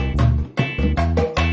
nanti gue datang